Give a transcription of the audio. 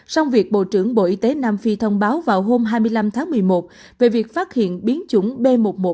sau việc bộ trưởng bộ y tế nam phi thông báo vào hôm hai mươi năm tháng một mươi một về việc phát hiện biến chủng b một một năm trăm hai mươi chín